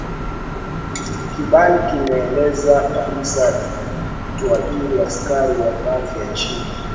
Kibali kimeelekeza kabisa tuajiri askari wa ngazi ya chini